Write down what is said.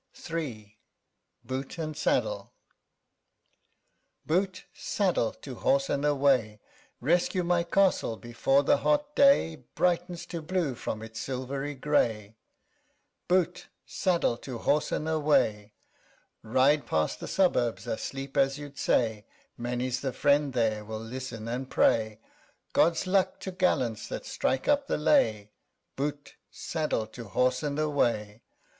_ 20 III BOOT AND SADDLE Boot, saddle, to horse, and away! Rescue my castle before the hot day Brightens to blue from its silvery gray, CHORUS. Boot, saddle, to horse, and away! Ride past the suburbs, asleep as you'd say; 5 Many's the friend there, will listen and pray "God's luck to gallants that strike up the lay CHORUS. _Boot, saddle, to horse, and away!"